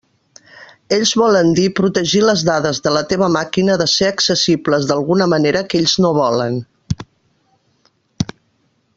Ells volen dir protegir les dades de la teva màquina de ser accessibles d'alguna manera que ells no volen.